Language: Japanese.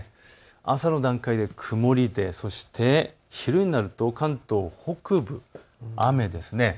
朝の段階で曇りでそして昼になると関東北部、雨です。